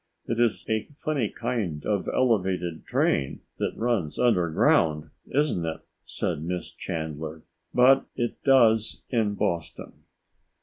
"It is a funny kind of elevated train which runs underground, isn't it?" said Miss Chandler. "But it does in Boston."